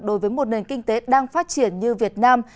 đối với một nền kinh tế đang phát triển như việt nam